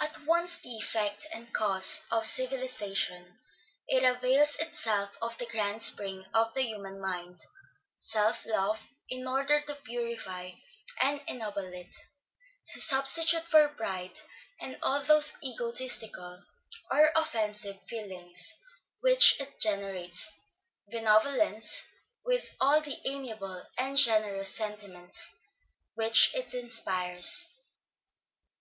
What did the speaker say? At once the effect and cause of civilization, it avails itself of the grand spring of the human mind, self love, in order to purify and ennoble it; to substitute for pride and all those egotistical or offensive feelings which it generates, benevolence, with all the amiable and generous sentiments, which it inspires.